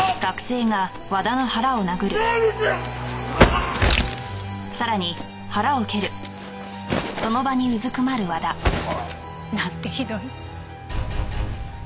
誰か！なんてひどい。